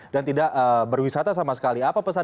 dan tidak berwisata sama sekali apa pesan